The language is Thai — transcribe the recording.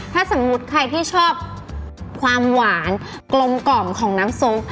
ถ้าสมมุติใครที่ชอบความหวานกลมกล่อมของน้ำซุป